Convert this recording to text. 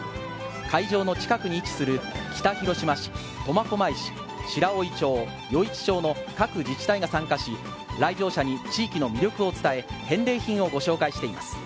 会場の近くに位置する北広島市、苫小牧市、白老町、余市町の各自治体が参加し、来場者に地域の魅力を伝え、返礼品をご紹介しています。